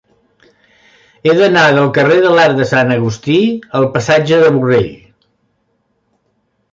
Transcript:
He d'anar del carrer de l'Arc de Sant Agustí al passatge de Borrell.